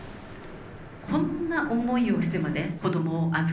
こんな思いをしてまで子どもを預けてね